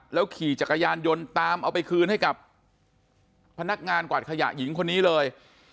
ขี่จักรยานยนต์ตามเอาไปคืนให้กับพนักงานกวาดขยะหญิงคนนี้เลย